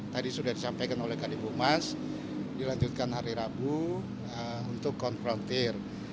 tadi sudah disampaikan oleh kd bumas dilanjutkan hari rabu untuk konfrontir